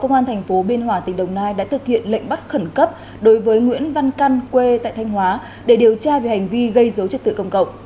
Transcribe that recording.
công an tp biên hòa tỉnh đồng nai đã thực hiện lệnh bắt khẩn cấp đối với nguyễn văn căn quê tại thanh hóa để điều tra về hành vi gây dấu chất tự công cộng